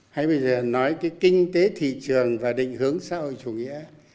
hay bây giờ nói cái kinh tế thị trường và định hướng xã hội chủ nghĩa